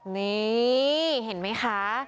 นี่เห็นมั้ยคะ